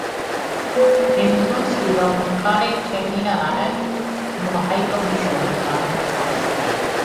কিন্তু, শ্রীলঙ্কায় কেনিয়ার কোন হাই কমিশন বা দূতাবাস নেই।